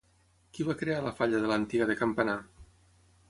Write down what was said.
Qui va crear la falla de l'Antiga de Campanar?